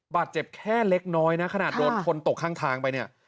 บาดเจ็บแค่เล็กน้อยนะขนาดโดนคนตกข้างทางไปเนี่ย